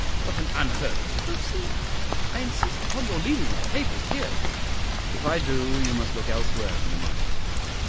what an unheard of proceeding! I insist upon your leaving my papers here." "If I do, you must look elsewhere for the money.